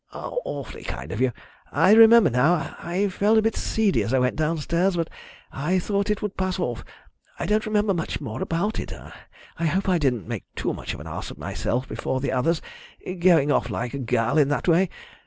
"Awfully kind of you. I remember now. I felt a bit seedy as I went downstairs, but I thought it would pass off. I don't remember much more about it. I hope I didn't make too much of an ass of myself before the others, going off like a girl in that way.